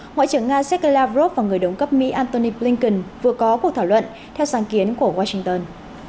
ngoại trưởng nga sergei lavrov và người đồng cấp mỹ antony blinken vừa có cuộc thảo luận theo sáng kiến của washington